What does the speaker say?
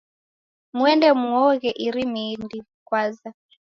Muende muoghe iri Mindi kwanza.